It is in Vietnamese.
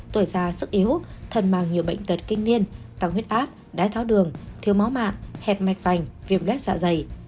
tuổi già sức yếu thần mang nhiều bệnh tật kinh niên tăng huyết ác đáy tháo đường thiếu máu mạng hẹp mạch vành việm lét dạ dày